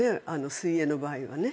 水泳の場合は。